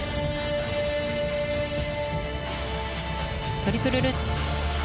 トリプルルッツ。